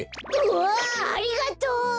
うわありがとう！